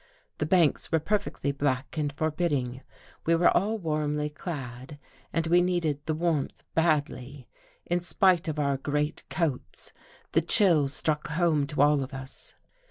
The banks were perfect ly black and forbidding. We were all warmly clad, and we needed the warmth badly. In spite of our great coats, the chill struck home to all of us.